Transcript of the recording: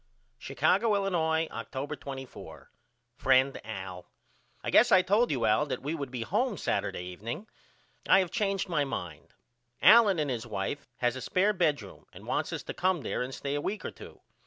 Chicago, Illinois, October 24. FRIEND AL: I guess I told you Al that we would be home Saturday evening. I have changed my mind. Allen and his wife has a spair bedroom and wants us to come there and stay a week or two.